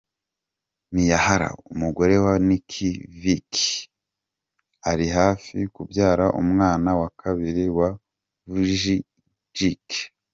Miyahara, umugore wa Nick Vujicic ari hafi kubyara umwana wa kabiri wa Vujicic.